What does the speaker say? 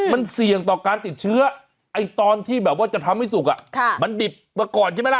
มันเสี่ยงต่อการติดเชื้อไอ้ตอนที่แบบว่าจะทำให้สุกมันดิบมาก่อนใช่ไหมล่ะ